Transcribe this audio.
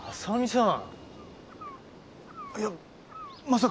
浅見さん。